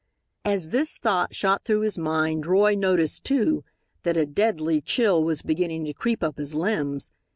As this thought shot through his mind Roy noticed, too, that a deadly chill was beginning to creep up his limbs.